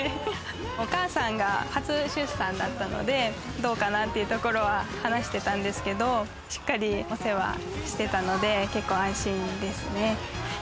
お母さんが初出産だったので、どうかなというところは話してたんですけど、しっかりお世話してたので、結構安心ですね。